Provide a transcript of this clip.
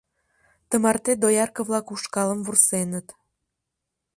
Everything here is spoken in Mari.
Тымарте доярке-влак ушкалым вурсеныт.